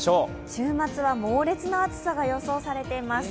週末は猛烈な暑さが予想されています。